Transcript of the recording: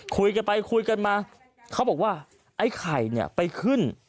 คุยกันไปคุยกันมาเขาบอกว่าไอ้ไข่เนี่ยไปขึ้น